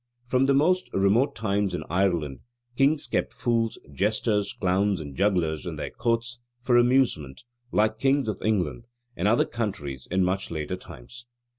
From the most remote times in Ireland, kings kept fools, jesters, clowns, and jugglers in their courts, for amusement, like kings of England and other countries in much later times.